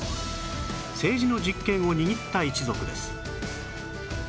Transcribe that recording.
政治の実権を握った一族です